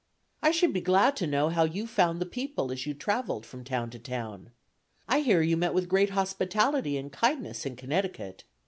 ... "I should be glad to know how you found the people as you traveled from town to town. I hear you met with great hospitality and kindness in Connecticut.